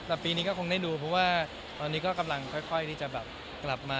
ก็ยังอยู่ครับยังอยู่ครับค่ะ